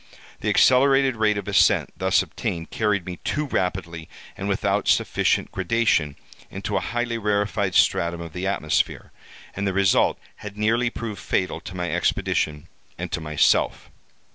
The accelerated rate of ascent thus obtained, carried me too rapidly, and without sufficient gradation, into a highly rarefied stratum of the atmosphere, and the result had nearly proved fatal to my expedition and to myself.